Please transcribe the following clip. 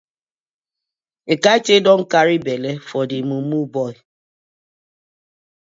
Ekaete don carry belle for dey mumu boy.